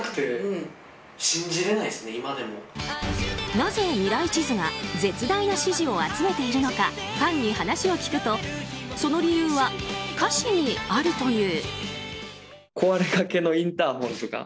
なぜ「ミライチズ」が絶大な支持を集めているのかファンに話を聞くとその理由は歌詞にあるという。